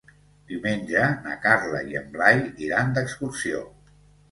Diumenge na Carla i en Blai iran d'excursió.